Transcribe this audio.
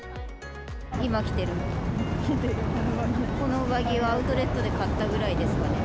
今着てる、この上着をアウトレットで買ったぐらいですかね。